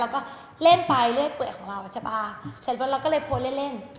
แล้วก็เล่นไปเลือกเปื่อยของเราจะบ้าแต่เราก็เลยโพสต์เล่นเล่น